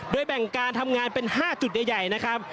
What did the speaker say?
โดยแบ่งการทำงานเป็น๕จุดใหญ่นะครับ